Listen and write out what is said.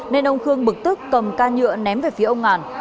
nên ông khương bực tức cầm ca nhựa ném về phía ông ngàn